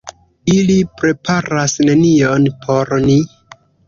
Ili preparas nenion por ni!